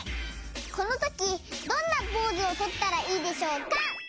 このときどんなポーズをとったらいいでしょうか？